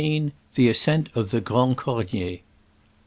THE ASCENT OF THE GRAND CORNIER.